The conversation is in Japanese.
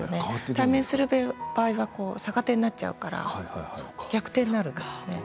対面する場合は逆手になっちゃうから逆手になるんですよね。